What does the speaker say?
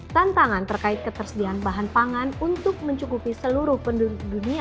tantangan terkait ketersediaan bahan pangan untuk mencukupi seluruh penduduk dunia